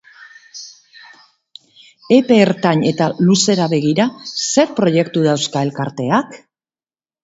Epe ertain eta luzera begira, zer proiektu dauzka elkarteak?